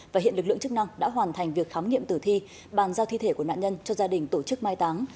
và hiện lực lượng chức năng đã hoàn thành việc khám nghiệm tử thi bàn giao thi thể của nạn nhân cho gia đình tổ chức mai táng